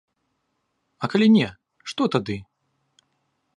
А калі не, што тады?